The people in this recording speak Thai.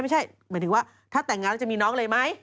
ไม่ใช่หมายถึงว่าถ้าแต่งงานแล้วจะมีน้องเลยไหม